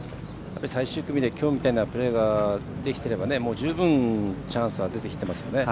最終組できょうみたいなプレーができていれば十分、チャンスは出てきてますよね。